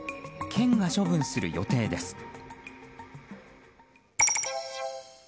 県が処分する予定です。